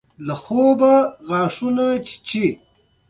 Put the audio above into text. د ماشوم سترګې باید پاکې وساتل شي۔